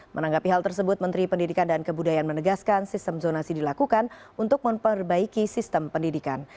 menanggapi hal tersebut menteri pendidikan dan kebudayaan menegaskan sistem zonasi dilakukan untuk memperbaiki sistem pendidikan